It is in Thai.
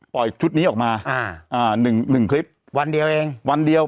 ชุดนี้ออกมาอ่าอ่าหนึ่งหนึ่งคลิปวันเดียวเองวันเดียว